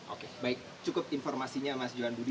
oke baik cukup informasinya mas johan budi